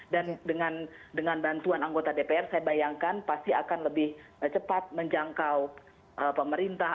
dan dengan bantuan anggota dpr saya bayangkan pasti akan lebih cepat menjangkau pemerintah